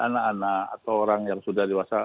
anak anak atau orang yang sudah dewasa